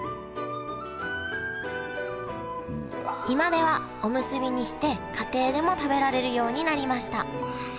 今ではおむすびにして家庭でも食べられるようになりました。